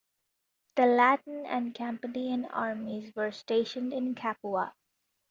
The Latin and Campanian armies were stationed in Capua.